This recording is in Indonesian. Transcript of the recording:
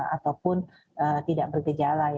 ataupun tidak bergejala